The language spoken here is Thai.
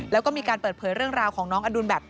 แล้วก็มีการเปิดเผยเรื่องราวของน้องอดุลแบบ